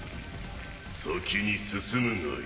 先に進むがいい。